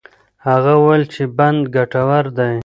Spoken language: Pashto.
هغه وویل چې بند ګټور دی.